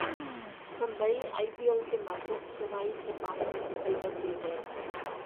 Mumbai I P L کے matches Chennai سے باہر منتقل کر دیئے گئے